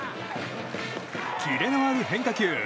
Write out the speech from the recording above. キレのある変化球。